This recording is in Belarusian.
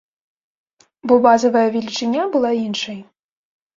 Бо базавая велічыня была іншай.